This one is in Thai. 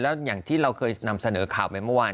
แล้วอย่างที่เราเคยนำเสนอข่าวไปเมื่อวาน